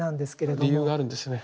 理由があるんですよね。